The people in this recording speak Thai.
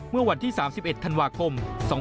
เมื่อวันที่๓๑ธันวาคม๒๕๖๒